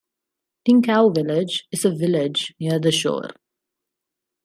Ting Kau Village is a village near the shore.